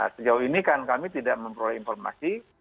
sejauh ini kan kami tidak memperoleh informasi